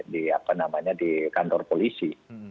di kantor polisi